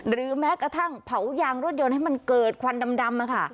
แม้กระทั่งเผายางรถยนต์ให้มันเกิดควันดำ